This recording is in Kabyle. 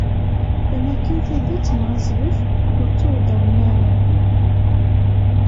Am akken tidet neɣ azref, ur ttuweddṛen ara.